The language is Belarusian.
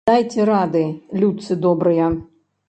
Дайце рады, людцы добрыя!